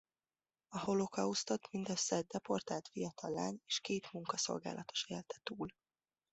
A holokausztot mindössze egy deportált fiatal lány és két munkaszolgálatos élte túl.